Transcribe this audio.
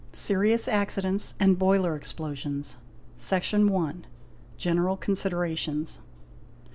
SERIOUS ACCIDENTS AND BOILER EXPLOSIONS. Section i.—General Considerations.